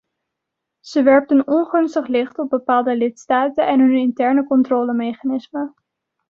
Ze werpt een ongunstig licht op bepaalde lidstaten en hun interne controlemechanismen.